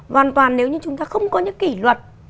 hoàn toàn nếu như chúng ta không có những kỷ luật